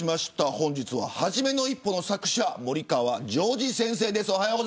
本日は、はじめの一歩の作者森川ジョージ先生です。